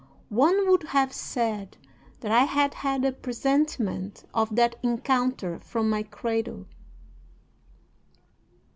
One would have said that I had had a presentiment of that encounter from my cradle.